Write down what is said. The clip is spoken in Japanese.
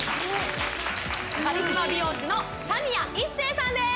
カリスマ美容師の田宮一誠さんです